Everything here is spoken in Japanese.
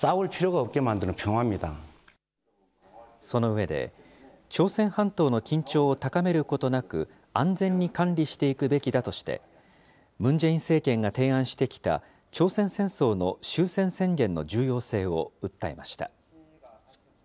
その上で、朝鮮半島の緊張を高めることなく、安全に管理していくべきだとして、ムン・ジェイン政権が提案してきた朝鮮戦争の終戦宣言の重要性を訴えました。